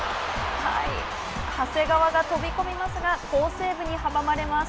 長谷川が飛び込みますが好セーブに阻まれます。